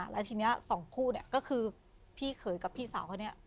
แล้วทีนี้สองคู่เนี่ยก็คือพี่เขยกับพี่สาวเขาเนี่ย